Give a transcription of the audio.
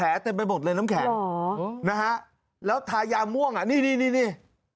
แล้วทายาม่วงนี่นี่นี่